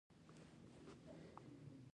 که مهرباني ونه کړي.